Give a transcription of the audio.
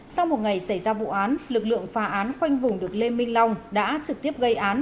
sau một ngày xảy ra vụ án lực lượng phá án khoanh vùng được lê minh long đã trực tiếp gây án